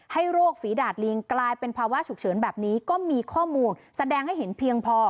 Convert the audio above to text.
โรคฝีดาดลิงกลายเป็นภาวะฉุกเฉินแบบนี้ก็มีข้อมูลแสดงให้เห็นเพียงพอ